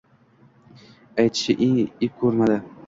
aytishni ep ko'rmadi.